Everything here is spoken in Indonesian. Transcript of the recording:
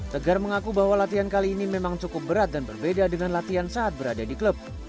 tegar mengaku bahwa latihan kali ini memang cukup berat dan berbeda dengan latihan saat berada di klub